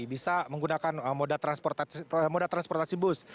bisa menggunakan moda transportasi bus